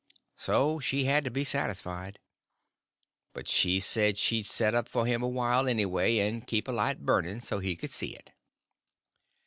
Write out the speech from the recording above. So she had to be satisfied. But she said she'd set up for him a while anyway, and keep a light burning so he could see it.